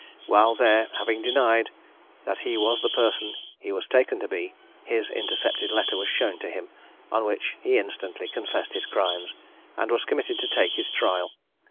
While there, having denied that he was the person he was taken to be, his intercepted letter was shown to him; on which he instantly confessed his crimes, and was committed to take his trial.